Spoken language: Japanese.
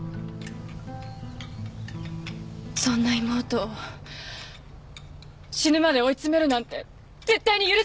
そんな妹を死ぬまで追い詰めるなんて絶対に許せない！